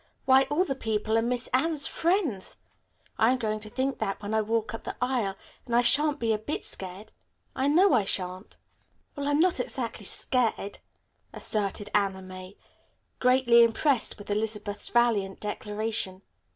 Why, all the people are Miss Anne's friends! I'm going to think that when I walk up the aisle, and I shan't be a bit scared. I know I shan't." "Well, I'm not exactly scared," asserted Anna May, greatly impressed with Elizabeth's valiant declaration.